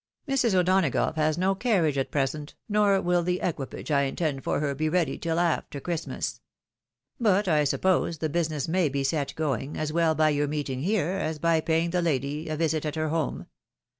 Mrs. O'Donagough has no carriage at present, nor will the equipage I intend for her be ready till after Christmas. But I suppose the business may be set going, as well by your meeting here, as by paying the lady a visit at her home.